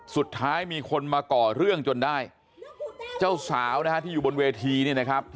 สุดท้ายมีคนมาก่อเรื่องจนได้เจ้าสาวนะฮะที่อยู่บนเวทีเนี่ยนะครับ